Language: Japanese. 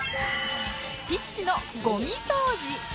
ピッチのゴミ掃除